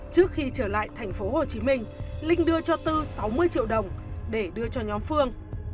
trước khi trở lại thành phố hồ chí minh linh đưa cho tư sáu mươi triệu đồng để đưa cho nhóm phương